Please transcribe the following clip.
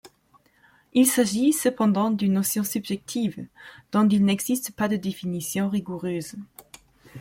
Il s'agit cependant d'une notion subjective dont il n'existe pas de définition rigoureuse.